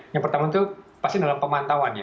yang pertama itu pasti dalam pemantauan ya